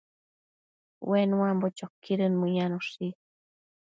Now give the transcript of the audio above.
Ue nuambo choquidën mëyanoshi